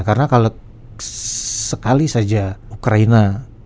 karena kalau sekali saja ukraina